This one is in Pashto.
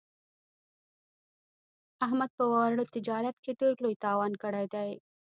احمد په واړه تجارت کې ډېر لوی تاوان کړی دی.